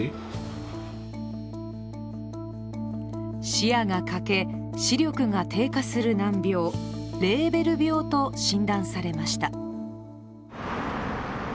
視野が欠け、視力が低下する難病、レーベル病と診断されました。